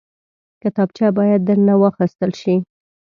کتابچه باید درنه واخیستل شي